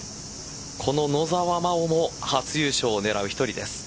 この野澤真央も初優勝を狙う一人です。